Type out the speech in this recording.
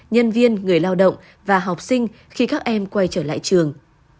nhân viên người lao động và học sinh khi các em quay trở lại trường